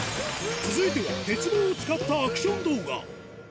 続いては鉄棒を使ったアクション動画。